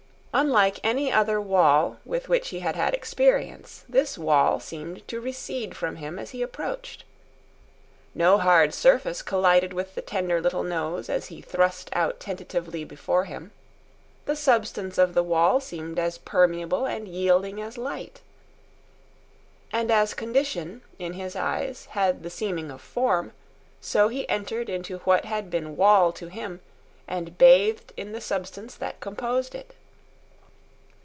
Unlike any other wall with which he had had experience, this wall seemed to recede from him as he approached. No hard surface collided with the tender little nose he thrust out tentatively before him. The substance of the wall seemed as permeable and yielding as light. And as condition, in his eyes, had the seeming of form, so he entered into what had been wall to him and bathed in the substance that composed it.